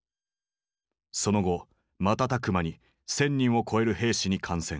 その後瞬く間に１，０００人を超える兵士に感染。